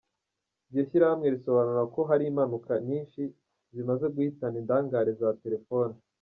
Iryo shyirahamwe risobanura ko hari impanuka nyinshi zimaze guhitana “indangare” za telefoni.